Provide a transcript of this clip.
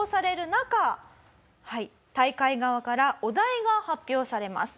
中大会側からお題が発表されます。